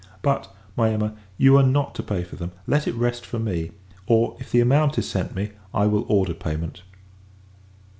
But, my Emma, you are not to pay for them, let it rest for me; or, if the amount is sent me, I will order payment.